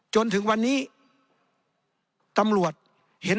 จนถึงวันนี้ตำรวจเห็น